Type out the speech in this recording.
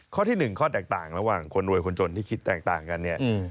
ข้อที่๑ข้อแตกต่างระหว่างคนรวยคนจนที่คิดแตกต่างกันเนี่ย